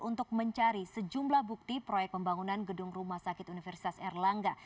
untuk mencari sejumlah bukti proyek pembangunan gedung rumah sakit universitas erlangga